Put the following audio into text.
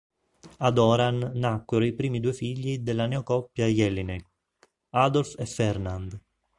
Ad Oran nacquero i primi due figli della neo-coppia Jellinek, Adolph e Fernand.